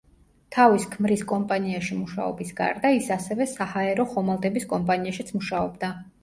თავის ქმრის კომპანიაში მუშაობის გარდა ის ასევე საჰაერო ხომალდების კომპანიაშიც მუშაობდა.